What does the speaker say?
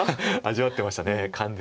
味わってました完全に。